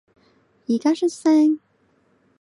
而家出聲